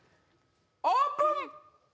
オープン！